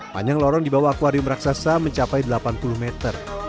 panjang lorong di bawah akwarium raksasa mencapai delapan puluh meter